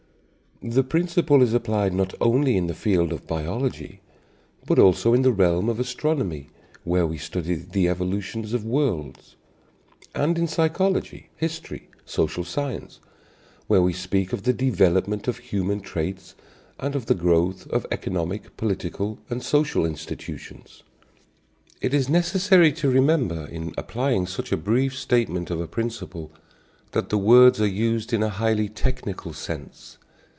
The principle is applied not only in the field of biology, but also in the realm of astronomy, where we study the evolution of worlds, and in psychology, history, social science, where we speak of the development of human traits and of the growth of economic, political and social institutions. It is necessary to remember in applying such a brief statement of a principle, that the words are used in a highly technical sense.